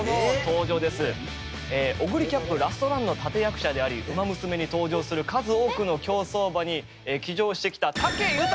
えオグリキャップラストランの立て役者であり「ウマ娘」に登場する数多くの競走馬に騎乗してきたええ